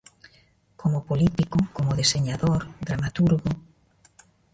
Como político, como deseñador, dramaturgo...